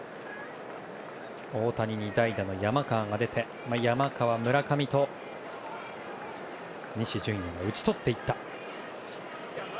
大谷に代打の山川が出て山川、村上と西純矢が打ち取っていった。